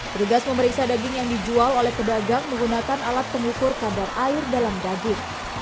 petugas memeriksa daging yang dijual oleh pedagang menggunakan alat pengukur kadar air dalam daging